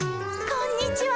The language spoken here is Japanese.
こんにちは。